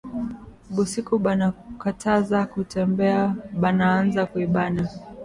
Busiku bana kataza kutembea banaanza kuibana